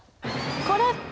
これ！